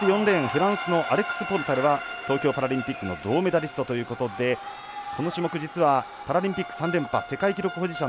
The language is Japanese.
フランスのアレクス・ポルタルは東京パラリンピックの銅メダリストということでこの種目、実はパラリンピック３連覇世界記録保持者